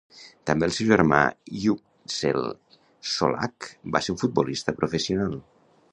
També el seu germà Yücel Çolak va ser un futbolista professional.